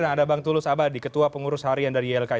dan ada bang tulus abadi ketua pengurus harian dari ylki